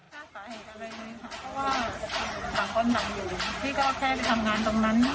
ทำไมถามตัวฐานนะครับอะไรฟะ